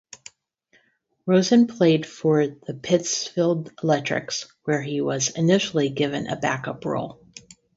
Rosen played for the Pittsfield Electrics, where he was initially given a back-up role.